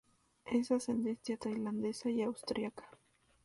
Es ascendencia tailandesa y austriaca.